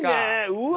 うわ！